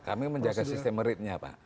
kami menjaga sistem ratenya pak